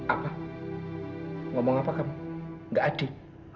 apa ngomong apa kamu gak adil